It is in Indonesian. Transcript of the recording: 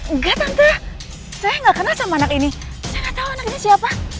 enggak tante saya gak kenal sama anak ini saya nggak tahu anak ini siapa